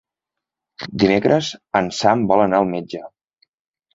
Dimecres en Sam vol anar al metge.